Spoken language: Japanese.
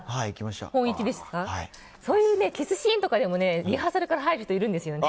そういうキスシーンもリハーサルから入る人いるんですよね。